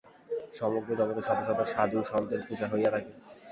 সমগ্র জগতে শত শত সাধু-সন্তের পূজা হইয়া থাকে।